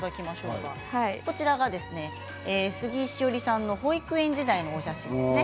杉井志織さんの保育園時代のお写真ですね。